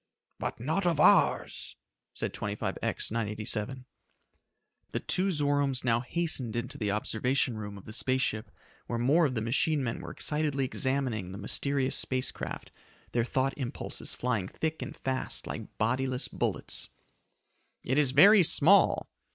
"But not of ours," said 25X 987. Together, the two Zoromes now hastened into the observation room of the space ship where more of the machine men were excitedly examining the mysterious space craft, their thought impulses flying thick and fast like bodiless bullets. "It is very small!"